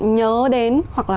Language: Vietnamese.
nhớ đến hoặc là